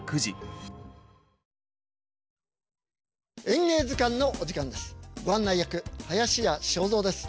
「演芸図鑑」のお時間です。